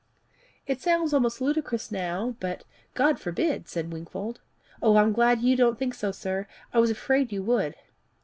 It sounds almost ludicrous now, but " "God forbid!" said Wingfold. "I'm glad you don't think so, sir. I was afraid you would."